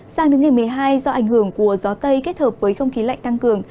sang đến ngày một mươi hai do ảnh hưởng của gió tây kết hợp với không khí lạnh tăng cường